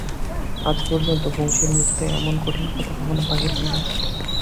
আজ পর্যন্ত বংশীর মুখ দিয়া এমন কঠিন কথা কখনো বাহির হয় নাই।